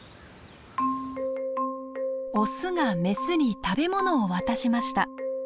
オスがメスに食べ物を渡しました。